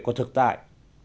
của thực tại